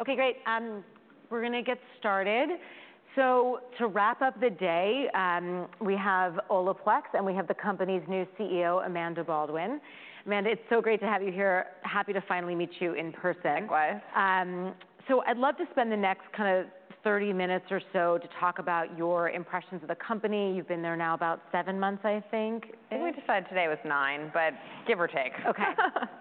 Okay, great. We're gonna get started. So to wrap up the day, we have Olaplex, and we have the company's new CEO, Amanda Baldwin. Amanda, it's so great to have you here. Happy to finally meet you in person. Likewise. So I'd love to spend the next kind of thirty minutes or so to talk about your impressions of the company. You've been there now about seven months, I think. I think we decided today was nine, but give or take. Okay,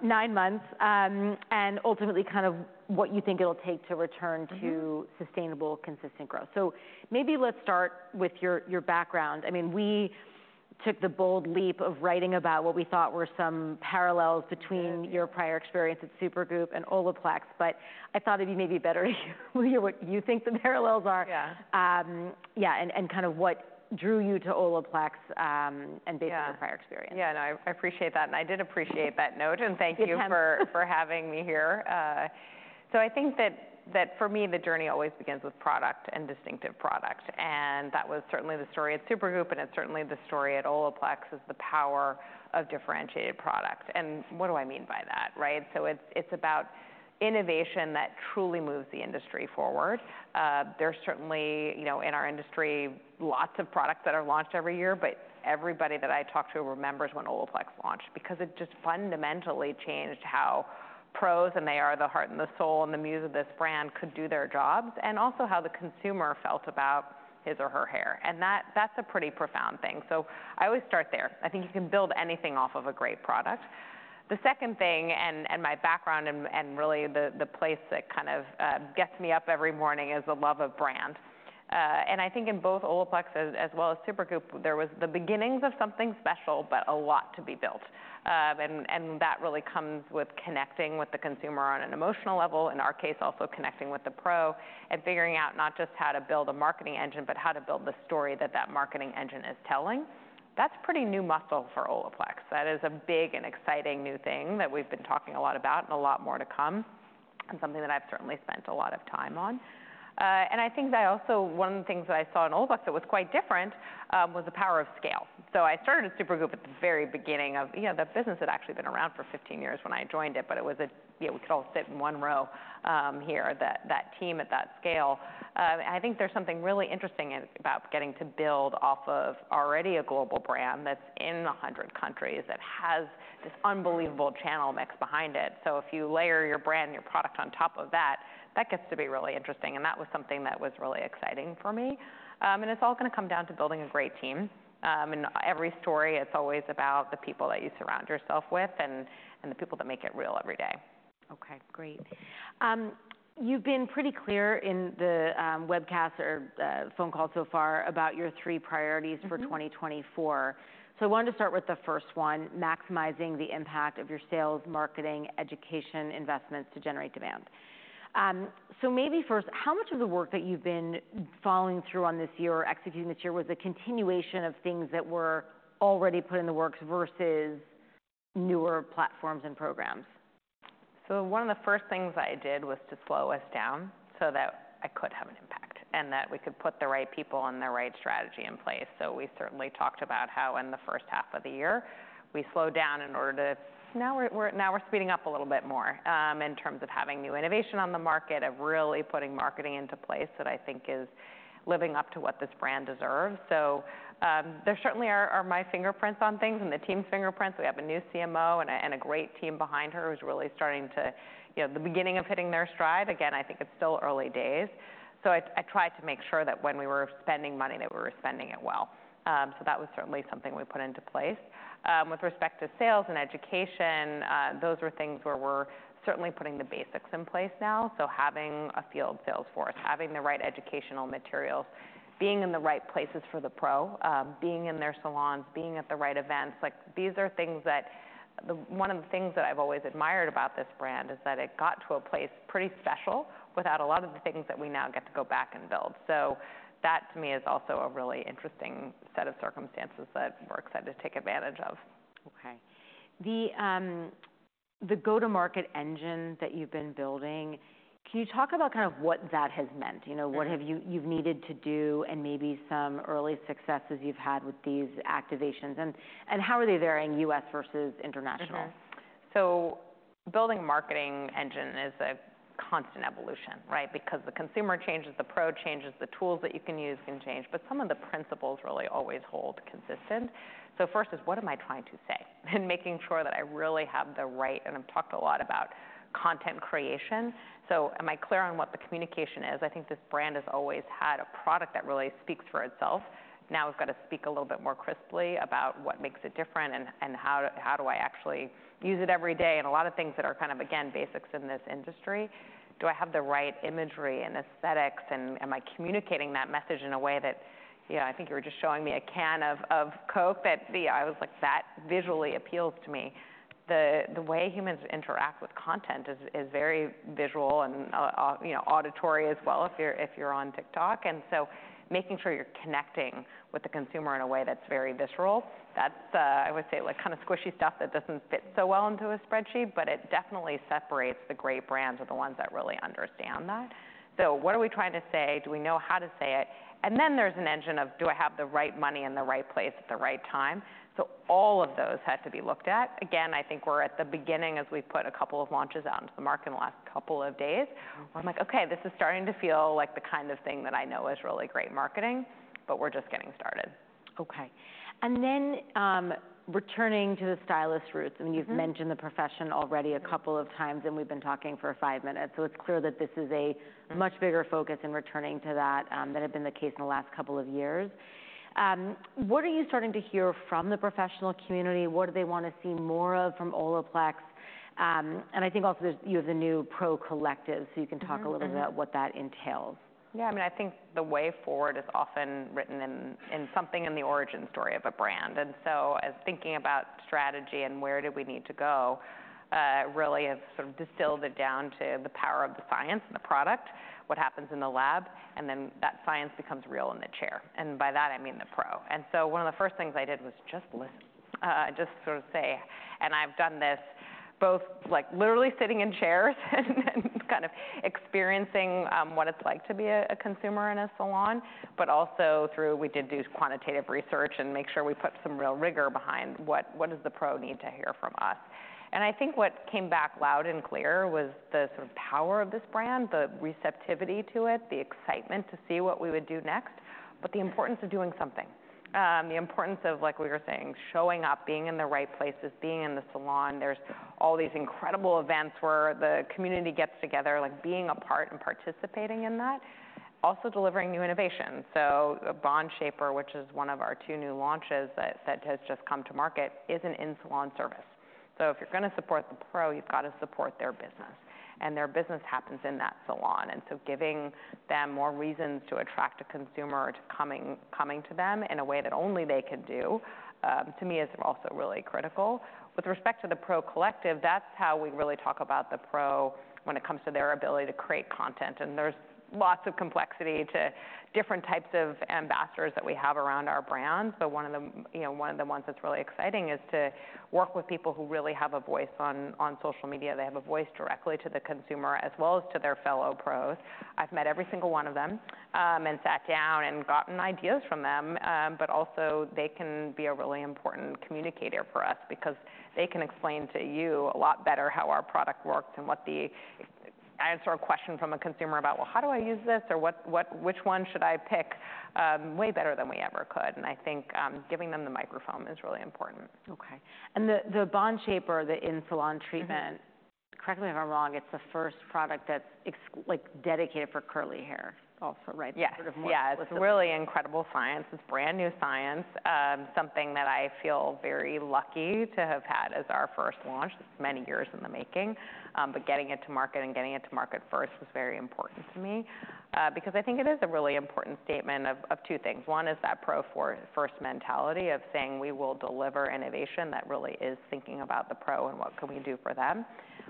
nine months, and ultimately, kind of what you think it'll take to return to- Mm-hmm sustainable, consistent growth. So maybe let's start with your background. I mean, we took the bold leap of writing about what we thought were some parallels between- Yeah Your prior experience at Supergoop and Olaplex, but I thought it'd be maybe better to hear what you think the parallels are. Yeah. Yeah, kind of what drew you to Olaplex? Yeah and based on your prior experience. Yeah, no, I, I appreciate that, and I did appreciate that note- Good And thank you for having me here. So I think that for me, the journey always begins with product and distinctive product, and that was certainly the story at Supergoop, and it's certainly the story at Olaplex, is the power of differentiated product. And what do I mean by that, right? So it's about innovation that truly moves the industry forward. There's certainly, you know, in our industry, lots of products that are launched every year, but everybody that I talk to remembers when Olaplex launched because it just fundamentally changed how pros, and they are the heart and the soul and the muse of this brand, could do their jobs, and also how the consumer felt about his or her hair, and that's a pretty profound thing. So I always start there. I think you can build anything off of a great product. The second thing, and my background, and really the place that kind of gets me up every morning, is the love of brand. I think in both Olaplex as well as Supergoop, there was the beginnings of something special, but a lot to be built. That really comes with connecting with the consumer on an emotional level, in our case, also connecting with the pro, and figuring out not just how to build a marketing engine, but how to build the story that that marketing engine is telling. That's pretty new muscle for Olaplex. That is a big and exciting new thing that we've been talking a lot about, and a lot more to come, and something that I've certainly spent a lot of time on. And I think that also one of the things that I saw in Olaplex that was quite different was the power of scale. So I started at Supergoop at the very beginning of... You know, the business had actually been around for 15 years when I joined it, but it was. Yeah, we could all sit in one row here, that team at that scale. I think there's something really interesting about getting to build off of already a global brand that's in 100 countries, that has this unbelievable channel mix behind it. So if you layer your brand and your product on top of that, that gets to be really interesting, and that was something that was really exciting for me. And it's all gonna come down to building a great team. And every story, it's always about the people that you surround yourself with and the people that make it real every day. Okay, great. You've been pretty clear in the webcasts or phone calls so far about your three priorities. Mm-hmm For 2024. So I wanted to start with the first one, maximizing the impact of your sales, marketing, education, investments to generate demand. So maybe first, how much of the work that you've been following through on this year or executing this year was a continuation of things that were already put in the works versus newer platforms and programs? So one of the first things I did was to slow us down so that I could have an impact, and that we could put the right people and the right strategy in place. So we certainly talked about how in the first half of the year, we slowed down in order to... Now we're speeding up a little bit more in terms of having new innovation on the market, of really putting marketing into place, that I think is living up to what this brand deserves. So there certainly are my fingerprints on things and the team's fingerprints. We have a new CMO and a great team behind her, who's really starting to, you know, the beginning of hitting their stride. Again, I think it's still early days, so I tried to make sure that when we were spending money, that we were spending it well. So that was certainly something we put into place. With respect to sales and education, those were things where we're certainly putting the basics in place now. So having a field sales force, having the right educational materials, being in the right places for the pro, being in their salons, being at the right events, like, these are things that... One of the things that I've always admired about this brand is that it got to a place pretty special, without a lot of the things that we now get to go back and build. So that, to me, is also a really interesting set of circumstances that we're excited to take advantage of. Okay. The go-to-market engine that you've been building, can you talk about kind of what that has meant? Yeah. You know, what have you, you've needed to do, and maybe some early successes you've had with these activations? And how are they varying U.S. versus international? Mm-hmm. So building marketing engine is a constant evolution, right? Because the consumer changes, the pro changes, the tools that you can use can change, but some of the principles really always hold consistent. So first is, what am I trying to say? And making sure that I really have the right... and I've talked a lot about content creation, so am I clear on what the communication is? I think this brand has always had a product that really speaks for itself. Now, we've got to speak a little bit more crisply about what makes it different, and how to - how do I actually use it every day? And a lot of things that are kind of, again, basics in this industry. Do I have the right imagery and aesthetics, and am I communicating that message in a way that... You know, I think you were just showing me a can of Coke that, see, I was like, "That visually appeals to me." The way humans interact with content is very visual and, you know, auditory as well, if you're on TikTok, and so making sure you're connecting with the consumer in a way that's very visceral. That's, I would say, like, kind of squishy stuff that doesn't fit so well into a spreadsheet, but it definitely separates the great brands, the ones that really understand that... So what are we trying to say? Do we know how to say it? And then there's an engine of, do I have the right money in the right place at the right time? So all of those had to be looked at. Again, I think we're at the beginning as we've put a couple of launches out into the market in the last couple of days, where I'm like, "Okay, this is starting to feel like the kind of thing that I know is really great marketing," but we're just getting started. Okay. And then, returning to the stylist roots- Mm-hmm. I mean, you've mentioned the professional already a couple of times, and we've been talking for five minutes, so it's clear that this is a- Mm... much bigger focus in returning to that, than had been the case in the last couple of years. What are you starting to hear from the professional community? What do they wanna see more of from Olaplex? And I think also you have the new Pro Collective- Mm-hmm, mm-hmm. So you can talk a little bit about what that entails. Yeah, I mean, I think the way forward is often written in something in the origin story of a brand. And so as thinking about strategy and where do we need to go, really have sort of distilled it down to the power of the science and the product, what happens in the lab, and then that science becomes real in the chair. And by that, I mean the pro. And so one of the first things I did was just listen, just sort of say. And I've done this both, like, literally sitting in chairs and kind of experiencing what it's like to be a consumer in a salon, but also through, we did do quantitative research and make sure we put some real rigor behind what does the pro need to hear from us? And I think what came back loud and clear was the sort of power of this brand, the receptivity to it, the excitement to see what we would do next, but the importance of doing something. The importance of, like we were saying, showing up, being in the right places, being in the salon. There's all these incredible events where the community gets together, like, being a part and participating in that, also delivering new innovation. So the Bond Shaper, which is one of our two new launches that has just come to market, is an in-salon service. So if you're gonna support the pro, you've got to support their business, and their business happens in that salon. And so giving them more reasons to attract a consumer to coming to them in a way that only they could do, to me, is also really critical. With respect to the pro collective, that's how we really talk about the pro when it comes to their ability to create content, and there's lots of complexity to different types of ambassadors that we have around our brand. But one of them, you know, one of the ones that's really exciting is to work with people who really have a voice on, on social media. They have a voice directly to the consumer as well as to their fellow pros. I've met every single one of them, and sat down and gotten ideas from them. But also, they can be a really important communicator for us because they can explain to you a lot better how our product works and what the... Answer a question from a consumer about, "Well, how do I use this," or "What, which one should I pick?" Way better than we ever could, and I think, giving them the microphone is really important. Okay. And the Bond Shaper, the in-salon treatment. Mm-hmm... correct me if I'm wrong, it's the first product that's like dedicated for curly hair also, right? Yes. Sort of more explicit. Yeah, it's a really incredible science. It's brand-new science. Something that I feel very lucky to have had as our first launch. It's many years in the making, but getting it to market and getting it to market first was very important to me, because I think it is a really important statement of two things. One is that pro-first mentality of saying: We will deliver innovation that really is thinking about the pro and what can we do for them.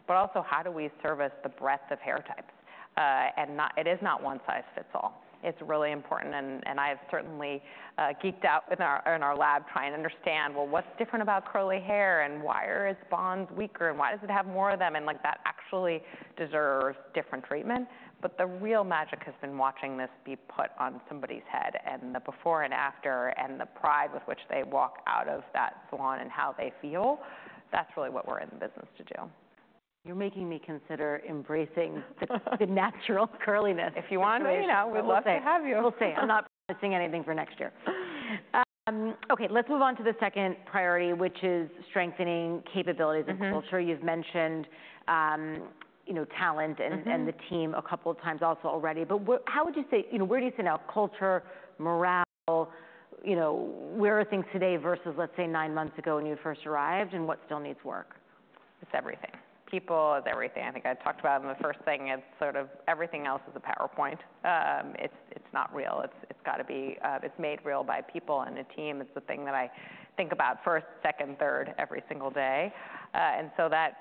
But also, how do we service the breadth of hair types? And it is not one size fits all. It's really important, and I have certainly geeked out in our lab trying to understand, well, what's different about curly hair, and why are its bonds weaker, and why does it have more of them, and, like, that actually deserves different treatment. But the real magic has been watching this be put on somebody's head and the before and after, and the pride with which they walk out of that salon and how they feel. That's really what we're in the business to do. You're making me consider embracing the natural curliness. If you want to, you know- So we'll see.... we'd love to have you. We'll see. I'm not missing anything for next year. Okay, let's move on to the second priority, which is strengthening capabilities and culture. Mm-hmm. You've mentioned, you know, talent- Mm-hmm... and the team a couple of times also already. But how would you say, you know, where do you see now? Culture, morale, you know, where are things today versus, let's say, nine months ago when you first arrived, and what still needs work? It's everything. People is everything. I think I've talked about them. The first thing is sort of everything else is a PowerPoint. It's not real. It's gotta be. It's made real by people, and the team is the thing that I think about first, second, third, every single day, and so that's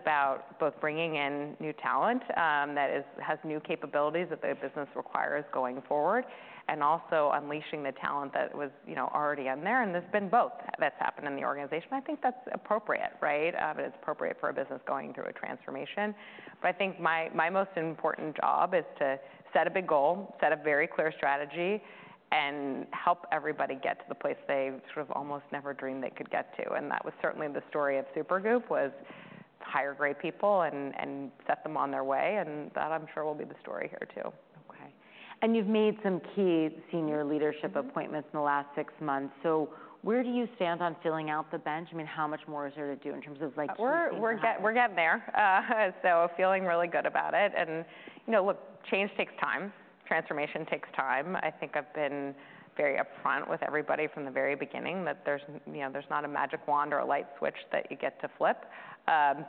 about both bringing in new talent that has new capabilities that the business requires going forward, and also unleashing the talent that was, you know, already in there, and it's been both that's happened in the organization. I think that's appropriate, right? It's appropriate for a business going through a transformation, but I think my most important job is to set a big goal, set a very clear strategy, and help everybody get to the place they sort of almost never dreamed they could get to. That was certainly the story of Supergoop: to hire great people and set them on their way. And that, I'm sure, will be the story here, too. Okay, and you've made some key senior leadership- Mm-hmm... appointments in the last six months. So where do you stand on filling out the bench? I mean, how much more is there to do in terms of, like, key things that happen? We're getting there, so feeling really good about it, and you know, look, change takes time. Transformation takes time. I think I've been very upfront with everybody from the very beginning that there's, you know, there's not a magic wand or a light switch that you get to flip,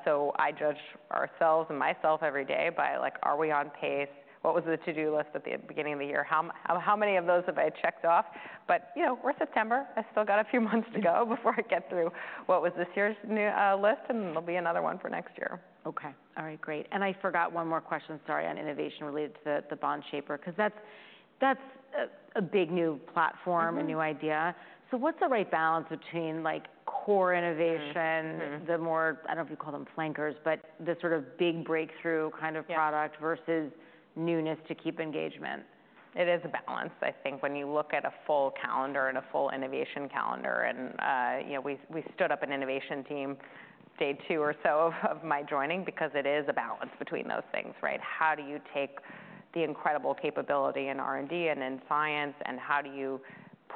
so I judge ourselves and myself every day by, like, are we on pace? What was the to-do list at the beginning of the year? How many of those have I checked off, but you know, we're September. I've still got a few months to go before I get through what was this year's new list, and there'll be another one for next year. Okay. All right, great. And I forgot one more question, sorry, on innovation related to the Bond Shaper, 'cause that's a big new platform. Mm-hmm a new idea. So what's the right balance between, like, core innovation- Mm, mm. -the more, I don't know if you call them flankers, but the sort of big breakthrough kind of product- Yeah -versus newness to keep engagement? It is a balance. I think when you look at a full calendar and a full innovation calendar, and, you know, we stood up an innovation team day two or so of my joining because it is a balance between those things, right? How do you take the incredible capability in R&D and in science, and how do you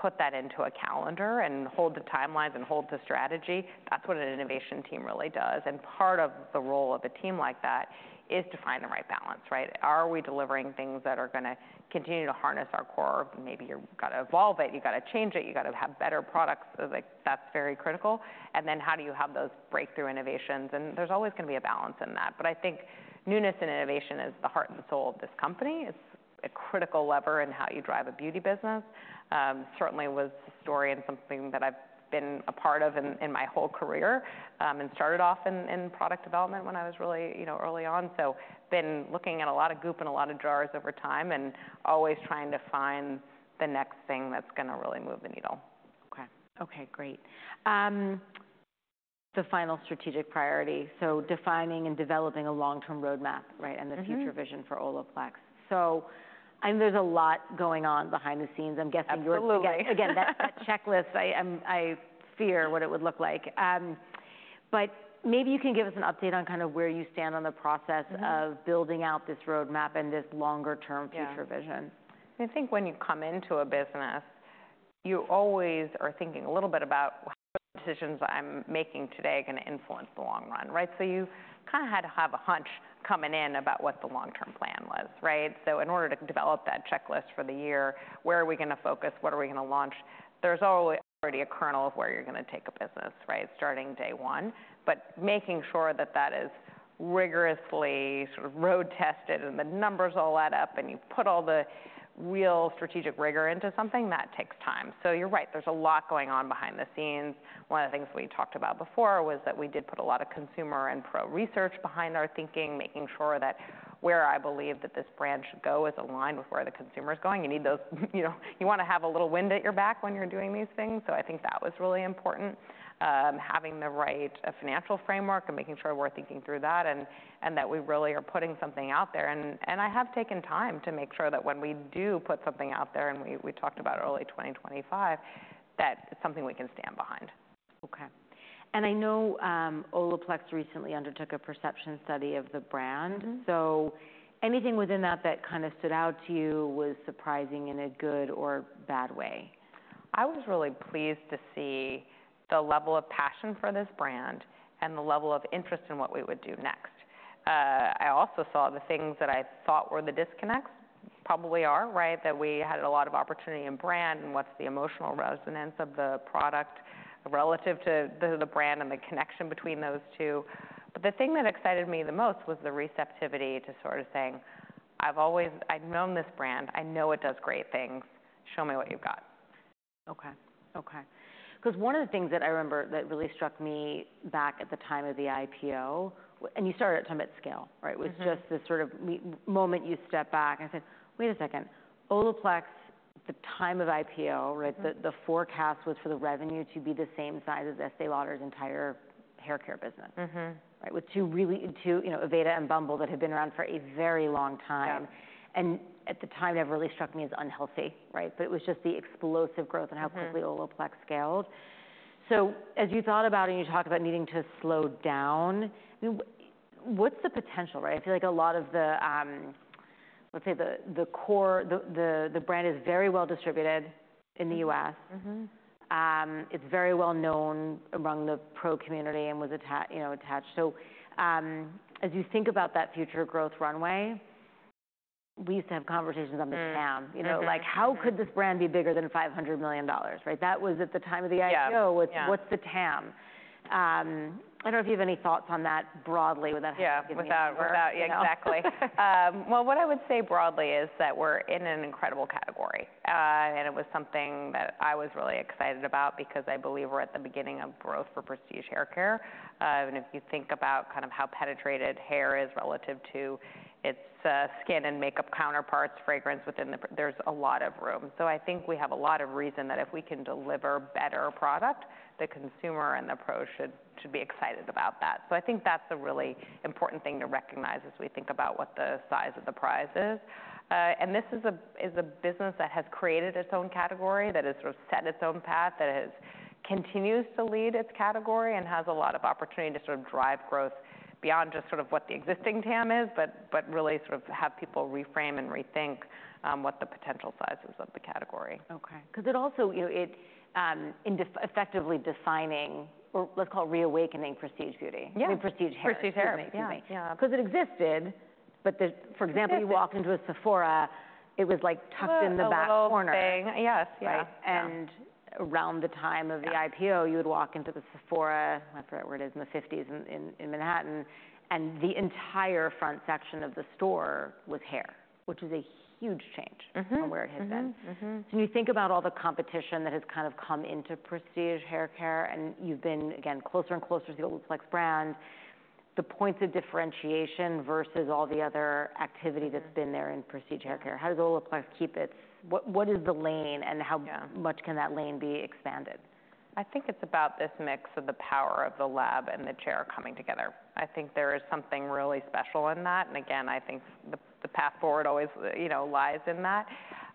put that into a calendar and hold the timelines and hold the strategy? That's what an innovation team really does, and part of the role of a team like that is to find the right balance, right? Are we delivering things that are gonna continue to harness our core? Maybe you've gotta evolve it, you've gotta change it, you've gotta have better products, so, like, that's very critical, and then how do you have those breakthrough innovations, and there's always gonna be a balance in that. I think newness and innovation is the heart and soul of this company. It's a critical lever in how you drive a beauty business. Certainly was the story and something that I've been a part of in my whole career. Started off in product development when I was really, you know, early on. Been looking at a lot of goop in a lot of jars over time and always trying to find the next thing that's gonna really move the needle. Okay. Okay, great. The final strategic priority, so defining and developing a long-term roadmap, right? Mm-hmm. The future vision for Olaplex. There's a lot going on behind the scenes. I'm guessing- Absolutely. Again, that checklist, I fear what it would look like. But maybe you can give us an update on kind of where you stand on the process- Mm of building out this roadmap and this longer-term Yeah -future vision. I think when you come into a business, you always are thinking a little bit about how decisions I'm making today are gonna influence the long run, right? So you kind of had to have a hunch coming in about what the long-term plan was, right? So in order to develop that checklist for the year, where are we gonna focus? What are we gonna launch? There's always already a kernel of where you're gonna take a business, right? Starting day one. But making sure that that is rigorously sort of road tested, and the numbers all add up, and you put all the real strategic rigor into something, that takes time. So you're right, there's a lot going on behind the scenes. One of the things we talked about before was that we did put a lot of consumer and pro research behind our thinking, making sure that where I believe that this brand should go is aligned with where the consumer is going. You need those. You know, you wanna have a little wind at your back when you're doing these things, so I think that was really important. Having the right financial framework and making sure we're thinking through that and that we really are putting something out there. I have taken time to make sure that when we do put something out there, and we talked about early 2025, that it's something we can stand behind. Okay. And I know, Olaplex recently undertook a perception study of the brand. Mm-hmm. So anything within that that kind of stood out to you, was surprising in a good or bad way? I was really pleased to see the level of passion for this brand and the level of interest in what we would do next. I also saw the things that I thought were the disconnects, probably are, right? That we had a lot of opportunity in brand, and what's the emotional resonance of the product relative to the brand and the connection between those two, but the thing that excited me the most was the receptivity to sort of saying, "I've always known this brand. I know it does great things. Show me what you've got. Okay, okay. Because one of the things that I remember that really struck me back at the time of the IPO, and you started at time at scale, right? Mm-hmm. Was just this sort of moment you step back and say, "Wait a second, Olaplex," at the time of IPO, right? Mm. The forecast was for the revenue to be the same size as Estée Lauder's entire hair care business. Mm-hmm. Right, with two. You know, Aveda and Bumble that had been around for a very long time. Yeah. And at the time, that really struck me as unhealthy, right? But it was just the explosive growth- Mm-hmm... and how quickly Olaplex scaled. So as you thought about and you talked about needing to slow down, what's the potential, right? I feel like a lot of the, let's say the core. The brand is very well distributed in the U.S. Mm-hmm. Mm-hmm. It's very well known among the pro community and was attached. So, as you think about that future growth runway, we used to have conversations on the TAM. Mm, mm-hmm. You know, like, how could this brand be bigger than $500 million, right? That was at the time of the IPO. Yeah, yeah... with what's the TAM? I don't know if you have any thoughts on that broadly, without having to- Yeah... give me a number. Yeah, exactly. Well, what I would say broadly is that we're in an incredible category, and it was something that I was really excited about because I believe we're at the beginning of growth for prestige haircare, and if you think about kind of how penetrated hair is relative to its skin and makeup counterparts, fragrance within the... There's a lot of room, so I think we have a lot of reason that if we can deliver better product, the consumer and the pro should be excited about that. So I think that's a really important thing to recognize as we think about what the size of the prize is. And this is a business that has created its own category, that has sort of set its own path, that continues to lead its category, and has a lot of opportunity to sort of drive growth beyond just sort of what the existing TAM is, but really sort of have people reframe and rethink what the potential size is of the category. Okay, because it also, you know, it, effectively defining, or let's call it reawakening prestige beauty. Yeah. I mean, prestige hair. Prestige hair. Excuse me. Yeah, yeah. Because it existed, but It existed... for example, you walk into a Sephora, it was, like, tucked in the back corner. A little thing. Yes, yeah. Right? And around the time of the IPO- Yeah... you would walk into the Sephora, I forget where it is, in the fifties, in Manhattan, and the entire front section of the store was hair, which is a huge change- Mm-hmm... from where it has been. Mm-hmm, mm-hmm. So you think about all the competition that has kind of come into Prestige haircare, and you've been, again, closer and closer to the Olaplex brand. The points of differentiation versus all the other activity- Mm-hmm. -that's been there in Prestige haircare? How does Olaplex keep its-- What, what is the lane, and how- Yeah much can that lane be expanded? I think it's about this mix of the power of the lab and the chair coming together. I think there is something really special in that, and again, I think the, the path forward always, you know, lies in that.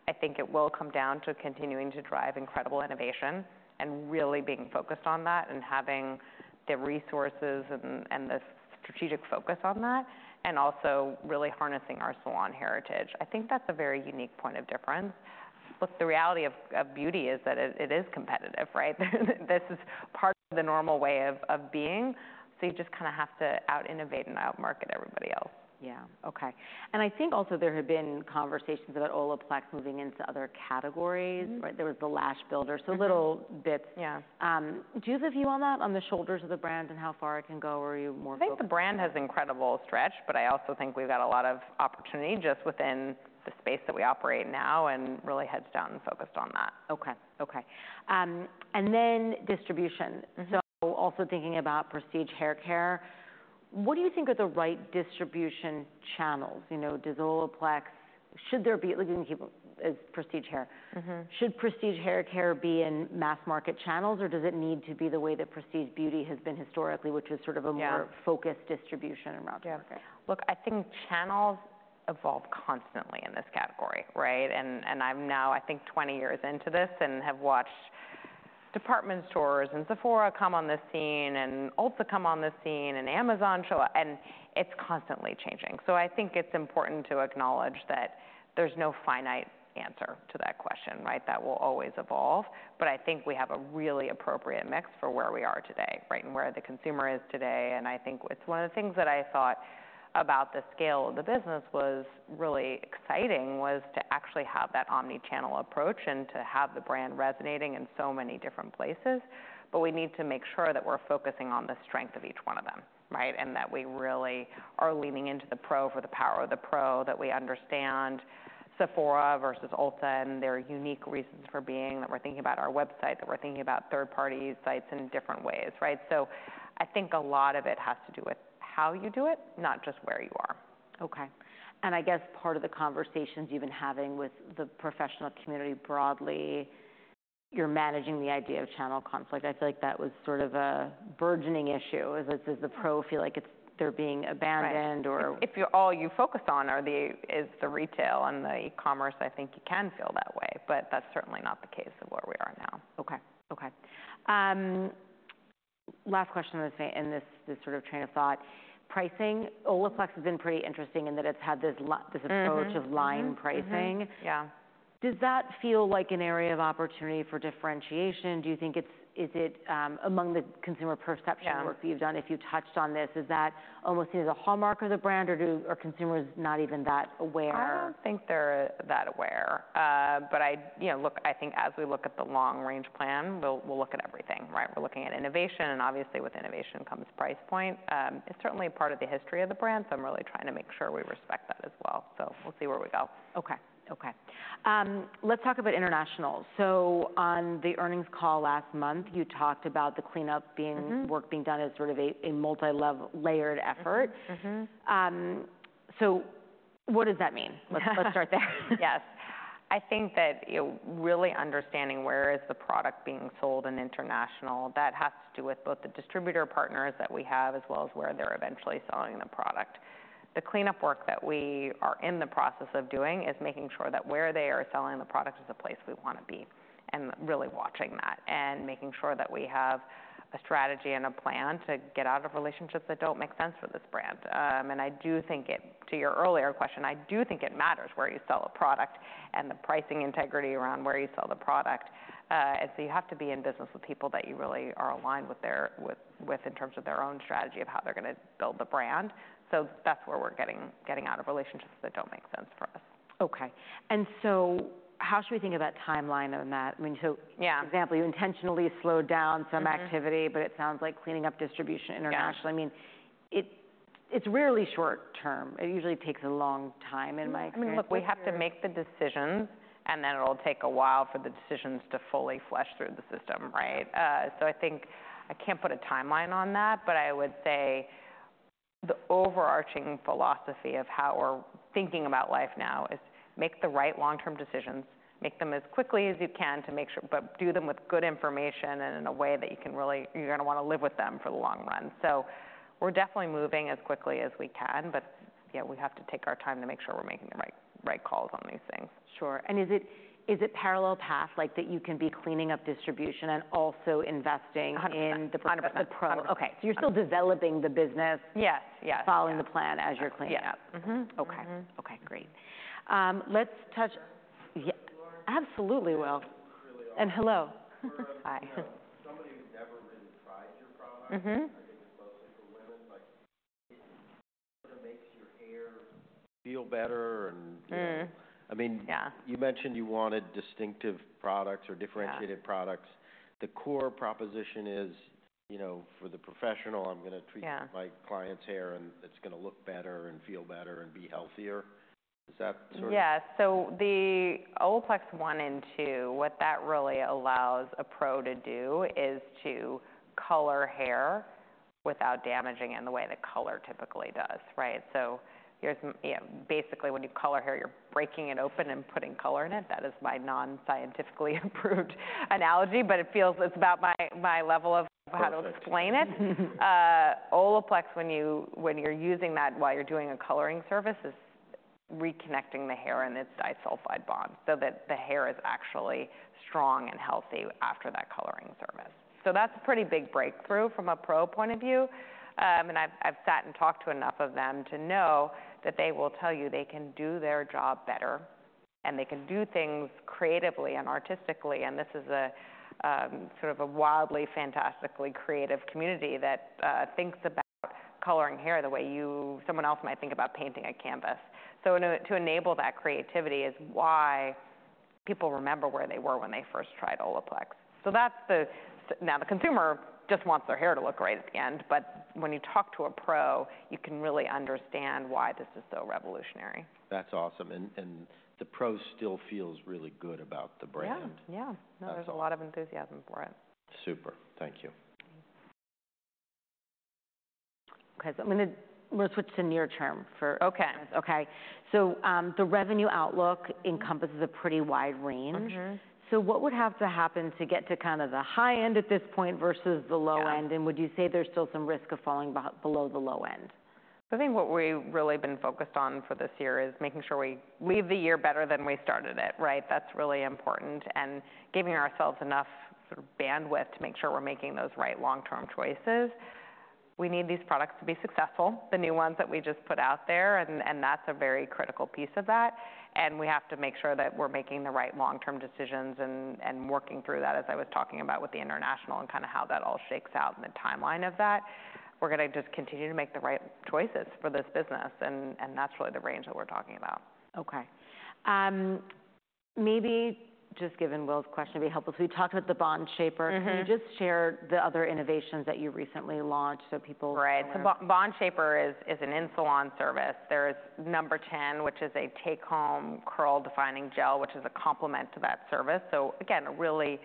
I think it will come down to continuing to drive incredible innovation and really being focused on that, and having the resources and, and the strategic focus on that, and also really harnessing our salon heritage. I think that's a very unique point of difference. Look, the reality of, of beauty is that it, it is competitive, right? This is part of the normal way of, of being, so you just kind of have to out-innovate and out-market everybody else. Yeah, okay, and I think also there have been conversations about Olaplex moving into other categories. Mm-hmm. Right? There was the lash builder- Mm-hmm. So little bits. Yeah. Do you have a view on that, on the shoulders of the brand and how far it can go, or are you more focused? I think the brand has incredible stretch, but I also think we've got a lot of opportunity just within the space that we operate now, and really heads down and focused on that. Okay, okay, and then distribution. Mm-hmm. So also thinking about prestige haircare, what do you think are the right distribution channels? You know, does Olaplex... Should there be, like, you can keep it as prestige hair. Mm-hmm. Should prestige haircare be in mass market channels, or does it need to be the way that prestige beauty has been historically, which is sort of a- Yeah... more focused distribution around haircare? Yeah. Look, I think channels evolve constantly in this category, right? And, I'm now, I think, 20 years into this and have watched department stores and Sephora come on the scene, and Ulta come on the scene, and Amazon show up, and it's constantly changing. So I think it's important to acknowledge that there's no finite answer to that question, right? That will always evolve. But I think we have a really appropriate mix for where we are today, right, and where the consumer is today, and I think it's one of the things that I thought about the scale of the business was really exciting, was to actually have that omni-channel approach and to have the brand resonating in so many different places. But we need to make sure that we're focusing on the strength of each one of them, right? And that we really are leaning into the pro for the power of the pro, that we understand Sephora versus Ulta and their unique reasons for being, that we're thinking about our website, that we're thinking about third-party sites in different ways, right? So I think a lot of it has to do with how you do it, not just where you are. Okay. And I guess part of the conversations you've been having with the professional community broadly, you're managing the idea of channel conflict. I feel like that was sort of a burgeoning issue, as the pros feel like it's, they're being abandoned or- Right. If all you focus on are the retail and the e-commerce, I think you can feel that way, but that's certainly not the case of where we are now. Okay, okay. Last question in this sort of train of thought. Pricing, Olaplex has been pretty interesting in that it's had this la- Mm-hmm. This approach of line pricing. Mm-hmm, yeah. Does that feel like an area of opportunity for differentiation? Do you think it's... Is it, among the consumer perception- Yeah... work that you've done, if you've touched on this, is that almost seen as a hallmark of the brand, or are consumers not even that aware? I don't think they're that aware, but I... You know, look, I think as we look at the long-range plan, we'll look at everything, right? We're looking at innovation, and obviously, with innovation comes price point. It's certainly a part of the history of the brand, so I'm really trying to make sure we respect that as well, so we'll see where we go. Okay, okay. Let's talk about international. So on the earnings call last month, you talked about the cleanup being- Mm-hmm... work being done as sort of a multilevel layered effort. Mm-hmm, mm-hmm. So what does that mean? Let's start there. Yes. I think that, you know, really understanding where is the product being sold in international, that has to do with both the distributor partners that we have, as well as where they're eventually selling the product. The cleanup work that we are in the process of doing is making sure that where they are selling the product is a place we want to be, and really watching that, and making sure that we have a strategy and a plan to get out of relationships that don't make sense for this brand. And I do think it, to your earlier question, I do think it matters where you sell a product and the pricing integrity around where you sell the product. And so you have to be in business with people that you really are aligned with their, with in terms of their own strategy of how they're gonna build the brand. So that's where we're getting out of relationships that don't make sense for us. Okay. And so how should we think about timeline on that? I mean, so- Yeah... example, you intentionally slowed down some activity- Mm-hmm... but it sounds like cleaning up distribution internationally. Yeah. I mean, it's rarely short term. It usually takes a long time in my experience- I mean, look, we have to make the decisions, and then it'll take a while for the decisions to fully flesh through the system, right? So I think I can't put a timeline on that, but I would say the overarching philosophy of how we're thinking about life now is make the right long-term decisions, make them as quickly as you can to make sure, but do them with good information and in a way that you can really... You're gonna wanna live with them for the long run. So we're definitely moving as quickly as we can, but yeah, we have to take our time to make sure we're making the right calls on these things. Sure, and is it parallel path, like, that you can be cleaning up distribution and also investing- 100% in the product, the Pro? Okay, so you're still developing the business- Yes, yes... following the plan as you're cleaning up? Yeah, mm-hmm. Okay. Mm-hmm. Okay, great. Let's touch-... Yeah, absolutely, Will. Really are. And hello. We're- Hi... somebody who's never really tried your product- Mm-hmm... I think it's mostly for women, like, it sort of makes your hair feel better and- Mm. You know. Yeah. I mean, you mentioned you wanted distinctive products or differentiated- Yeah... products. The core proposition is, you know, for the professional, I'm gonna treat- Yeah... my client's hair, and it's gonna look better, and feel better, and be healthier.... Yeah, so the Olaplex No. 1 and No. 2, what that really allows a pro to do is to color hair without damaging it in the way that color typically does, right? So here's yeah, basically, when you color hair, you're breaking it open and putting color in it. That is my non-scientifically approved analogy, but it feels it's about my level of how to explain it. Perfect. Olaplex, when you're using that while you're doing a coloring service, is reconnecting the hair and its disulfide bond so that the hair is actually strong and healthy after that coloring service. So that's a pretty big breakthrough from a pro point of view. And I've sat and talked to enough of them to know that they will tell you they can do their job better, and they can do things creatively and artistically. And this is a sort of a wildly, fantastically creative community that thinks about coloring hair the way someone else might think about painting a canvas. So in order to enable that creativity is why people remember where they were when they first tried Olaplex. Now, the consumer just wants their hair to look great at the end, but when you talk to a pro, you can really understand why this is so revolutionary. That's awesome, and the Pro still feels really good about the brand? Yeah. Yeah. That's all. There's a lot of enthusiasm for it. Super. Thank you. Okay, so we'll switch to near term for- Okay. Okay. So, the revenue outlook encompasses a pretty wide range. For sure. So what would have to happen to get to kind of the high end at this point versus the low end? Yeah... and would you say there's still some risk of falling about below the low end? So I think what we've really been focused on for this year is making sure we leave the year better than we started it, right? That's really important, and giving ourselves enough sort of bandwidth to make sure we're making those right long-term choices. We need these products to be successful, the new ones that we just put out there, and that's a very critical piece of that. And we have to make sure that we're making the right long-term decisions and working through that, as I was talking about with the international, and kinda how that all shakes out and the timeline of that. We're gonna just continue to make the right choices for this business, and that's really the range that we're talking about. Okay. Maybe just given Will's question, it'd be helpful. So you talked about the Bond Shaper. Mm-hmm. Can you just share the other innovations that you recently launched so people? Right. Um- Bond Shaper is an in-salon service. There's No. 10, which is a take-home curl defining gel, which is a complement to that service. Again, a really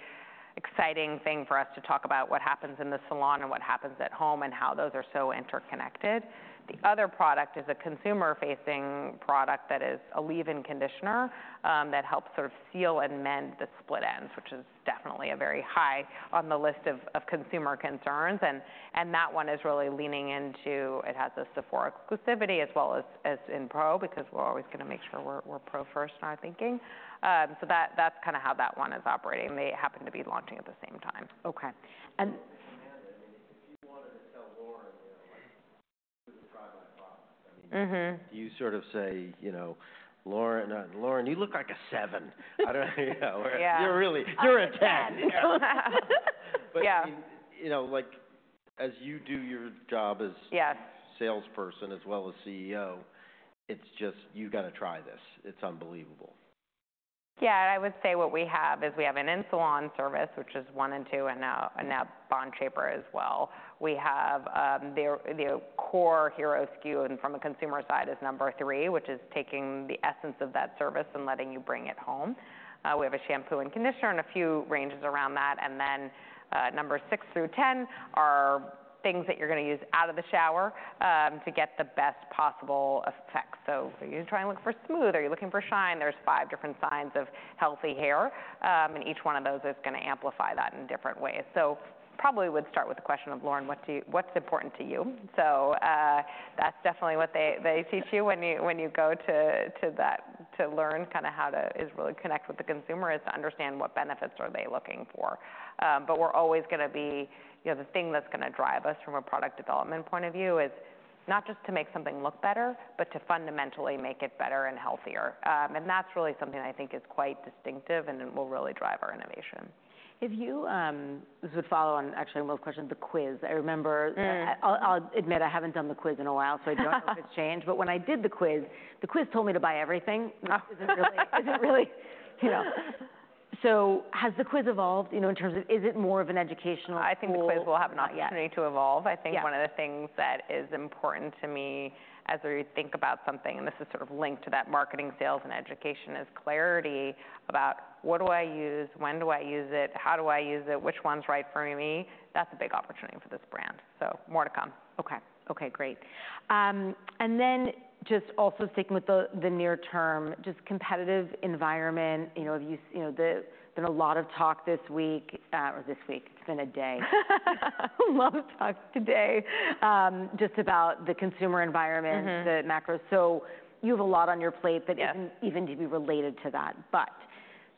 exciting thing for us to talk about what happens in the salon and what happens at home, and how those are so interconnected. The other product is a consumer-facing product that is a leave-in conditioner that helps sort of seal and mend the split ends, which is definitely a very high on the list of consumer concerns. And that one is really leaning into... It has a Sephora exclusivity as well as in pro, because we're always gonna make sure we're pro first in our thinking. That's kinda how that one is operating. They happen to be launching at the same time. Okay. And- Amanda, if you wanted to tell Lauren, you know, like, to try my product, I mean- Mm-hmm... do you sort of say, you know, "Lauren, Lauren, you look like a seven?" I don't know, or- Yeah... "You're really, you're a ten! You're a ten. Yeah. But I mean, you know, like, as you do your job as- Yeah... salesperson as well as CEO, it's just, "You've gotta try this. It's unbelievable. Yeah, I would say what we have is we have an in-salon service, which is one and two, and now Bond Shaper as well. We have their core hero SKU, and from the consumer side is No. 3, which is taking the essence of that service and letting you bring it home. We have a shampoo and conditioner and a few ranges around that, and then No. 6 through No. 10 are things that you're gonna use out of the shower to get the best possible effect. So are you trying to look for smooth? Are you looking for shine? There's five different signs of healthy hair, and each one of those is gonna amplify that in different ways. So probably would start with the question of, "Lauren, what do you-- what's important to you?" That's definitely what they teach you when you go to that-- to learn kinda how to is really connect with the consumer, is to understand what benefits are they looking for. But we're always gonna be... You know, the thing that's gonna drive us from a product development point of view is not just to make something look better, but to fundamentally make it better and healthier, and that's really something I think is quite distinctive, and it will really drive our innovation. If you, this would follow on actually Will's question, the quiz. I remember- Mm. I'll admit, I haven't done the quiz in a while, so I don't know if it's changed, but when I did the quiz, the quiz told me to buy everything, which isn't really, you know. So has the quiz evolved, you know, in terms of is it more of an educational tool? I think the quiz will have an opportunity to evolve. Yeah. I think one of the things that is important to me, as we think about something, and this is sort of linked to that marketing, sales, and education, is clarity about: What do I use? When do I use it? How do I use it? Which one's right for me? That's a big opportunity for this brand, so more to come. Okay. Okay, great, and then just also sticking with the near term, just competitive environment, you know, have you... You know, there's been a lot of talk this week, or this week? It's been a day. A lot of talk today, just about the consumer environment- Mm-hmm... the macro. So you have a lot on your plate- Yeah... that isn't even to be related to that, but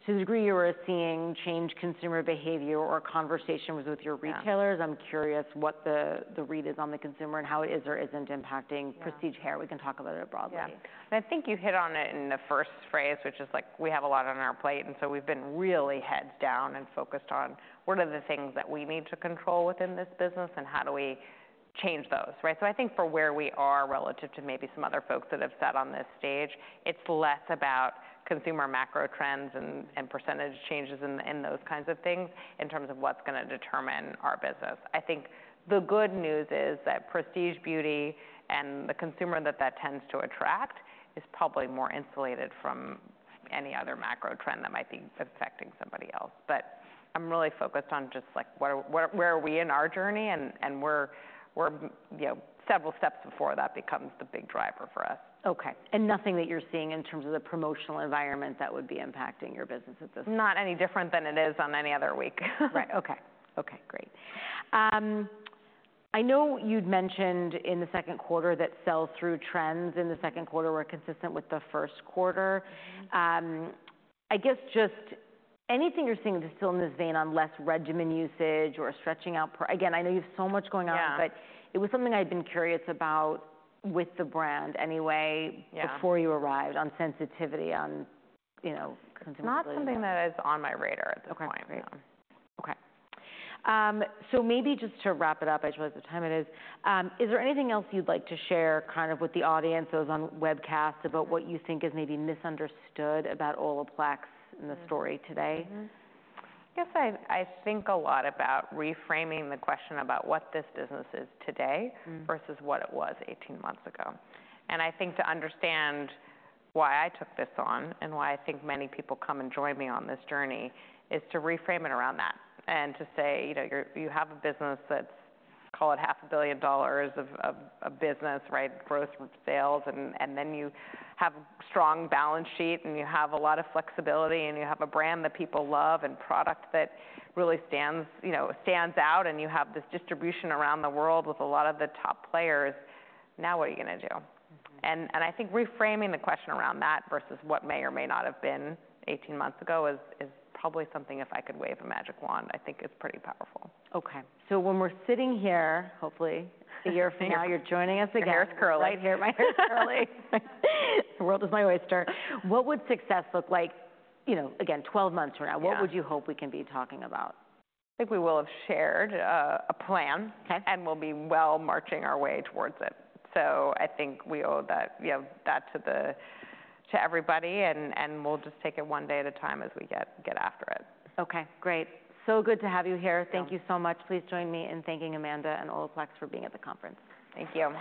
to the degree you were seeing changed consumer behavior or conversations with your retailers- Yeah... I'm curious what the read is on the consumer and how it is or isn't impacting- Yeah... prestige hair. We can talk about it broadly. Yeah. And I think you hit on it in the 1st phrase, which is, like, we have a lot on our plate, and so we've been really heads down and focused on what are the things that we need to control within this business, and how do we change those, right? So I think for where we are relative to maybe some other folks that have sat on this stage, it's less about consumer macro trends and percentage changes in those kinds of things, in terms of what's gonna determine our business. I think the good news is that prestige beauty and the consumer that that tends to attract is probably more insulated from any other macro trend that might be affecting somebody else. But, I'm really focused on just, like, where are we in our journey? And, we're, you know, several steps before that becomes the big driver for us. Okay, and nothing that you're seeing in terms of the promotional environment that would be impacting your business at this? Not any different than it is on any other week. Right. Okay. Okay, great. I know you'd mentioned in the second quarter that sell-through trends in the second quarter were consistent with the first quarter. Mm-hmm. I guess just anything you're seeing that is still in this vein on less regimen usage or stretching out. Again, I know you have so much going on. Yeah... but it was something I'd been curious about with the brand anyway- Yeah... before you arrived, on sensitivity, on, you know, sensitivity. Not something that is on my radar at this point. Okay. Great. Okay. So maybe just to wrap it up, I just realized what time it is. Is there anything else you'd like to share kind of with the audience that was on webcast about what you think is maybe misunderstood about Olaplex? Mm... and the story today? Mm-hmm. I guess I think a lot about reframing the question about what this business is today- Mm... versus what it was 18 months ago, and I think to understand why I took this on, and why I think many people come and join me on this journey, is to reframe it around that, and to say, you know, you have a business that's, call it $500 million of a business, right? Growth from sales, and then you have strong balance sheet, and you have a lot of flexibility, and you have a brand that people love, and product that really stands, you know, stands out, and you have this distribution around the world with a lot of the top players. Now, what are you gonna do? Mm-hmm. I think reframing the question around that versus what may or may not have been 18 months ago is probably something, if I could wave a magic wand, I think is pretty powerful. Okay. So when we're sitting here, hopefully, a year from now... you're joining us again. My hair's curly. Right, your hair's curly. The world is my oyster. What would success look like, you know, again, twelve months from now? Yeah. What would you hope we can be talking about? I think we will have shared a plan. Okay... and we'll be well marching our way towards it. So I think we owe that, you know, that to everybody, and we'll just take it one day at a time as we get after it. Okay, great. So good to have you here. Yeah. Thank you so much. Please join me in thanking Amanda and Olaplex for being at the conference. Thank you.